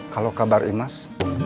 kalau kabar imas